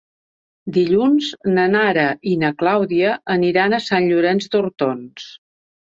Dilluns na Nara i na Clàudia aniran a Sant Llorenç d'Hortons.